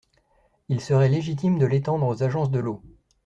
Il serait légitime de l’étendre aux agences de l’eau.